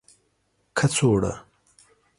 کڅوړه